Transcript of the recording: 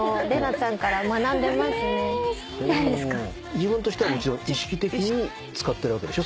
自分としてはもちろん意識的に使ってるわけでしょ？